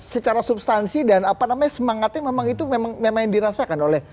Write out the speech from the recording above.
secara substansi dan semangatnya memang itu yang dirasakan oleh